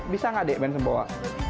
bisa nggak deh ben sempoa